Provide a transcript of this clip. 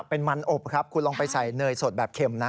เป็นมันอบครับคุณลองไปใส่เนยสดแบบเข็มนะ